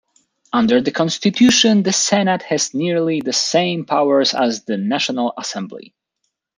Under the Constitution, the Senate has nearly the same powers as the National Assembly.